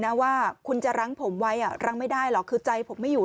นะว่าคุณจะรั้งผมไว้รั้งไม่ได้หรอกคือใจผมไม่อยู่